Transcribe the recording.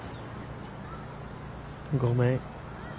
ごめん。